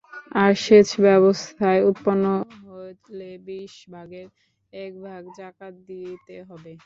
আর সেচ ব্যবস্থায় উৎপন্ন হলে বিশ ভাগের এক ভাগ যাকাত দিতে হবে।